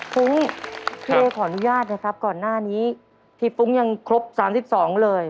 ฟุ้งพี่เอขออนุญาตนะครับก่อนหน้านี้ที่ฟุ้งยังครบ๓๒เลย